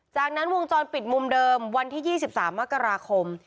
จากนั้นวงจรปิดมุมเดิมวันที่๒๓มกราคม